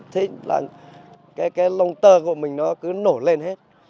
thế là cái lồng tờ của mình nó cứ nổ lên hết